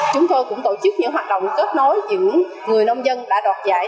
chúng tôi cũng tổ chức những hoạt động kết nối những người nông dân đã đoạt giải